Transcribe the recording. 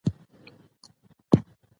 وګړي د افغانستان د سیاسي جغرافیه یوه برخه ده.